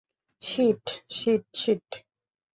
Sheet, shit, sheet!